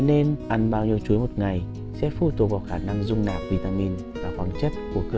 nên ăn bao nhiêu chuối một ngày sẽ phụ thuộc vào khả năng dung nạp vitamin và khoáng chất của cơ